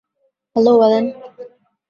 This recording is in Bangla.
Hello, Allen.